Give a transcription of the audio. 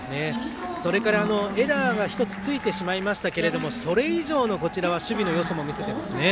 それから、エラーが１つついてしまいましたけれどもそれ以上のこちらは守備のよさも見せていますね。